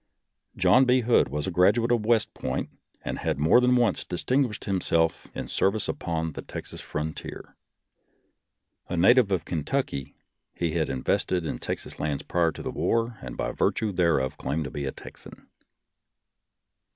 John B. Hood was a graduate of West Point, and had more than once distinguished himself in service upon the Texas frontier. A native of Kentucky, he had invested in Texas lands prior to the war, and by virtue thereof claimed to be a Texan.